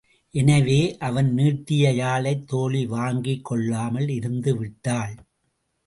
எனவே அவன் நீட்டிய யாழைத் தோழி வாங்கிக் கொள்ளாமல் இருந்து விட்டாள்.